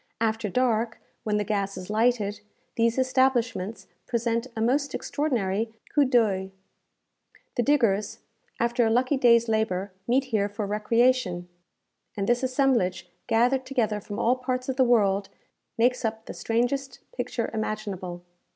After dark, when the gas is lighted, these establishments present a most extraordinary coup d'oeil. The diggers, after a lucky day's labour, meet here for recreation; and this assemblage, gathered together from all parts of the world, makes up the strangest picture imaginable.